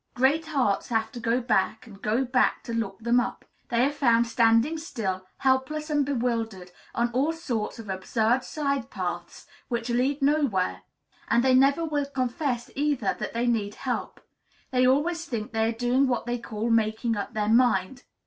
Great Hearts have to go back, and go back, to look them up. They are found standing still, helpless and bewildered, on all sorts of absurd side paths, which lead nowhere; and they never will confess, either, that they need help. They always think they are doing what they call "making up their mind."